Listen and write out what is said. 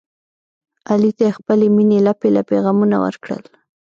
علي ته یې خپلې مینې لپې لپې غمونه ورکړل.